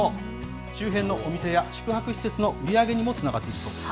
周辺のお店や宿泊施設の売り上げにもつながっているそうです。